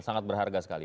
sangat berharga sekali